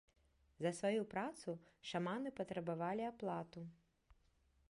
За сваю працу шаманы патрабавалі аплату.